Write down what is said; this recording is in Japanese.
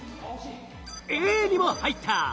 Ａにも入った！